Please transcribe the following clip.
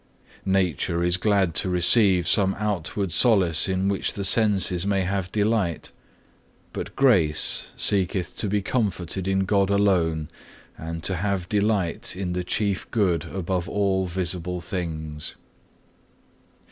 12. "Nature is glad to receive some outward solace in which the senses may have delight; but Grace seeketh to be comforted in God alone, and to have delight in the chief good above all visible things.